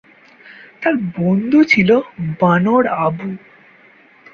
তার বন্ধু ছিল বানর আবু।